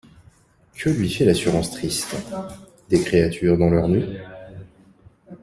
Que lui fait l’assurance triste Des créatures dans leurs nuits?